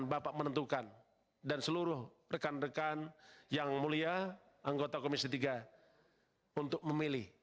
bapak menentukan dan seluruh rekan rekan yang mulia anggota komisi tiga untuk memilih